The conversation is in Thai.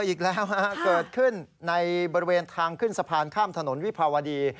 อีกแล้วเกิดขึ้นในบริเวณทางขึ้นสะพานข้ามถนนวิภาวดี